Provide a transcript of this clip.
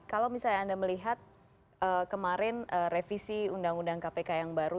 kalau misalnya anda melihat kemarin revisi undang undang kpk yang baru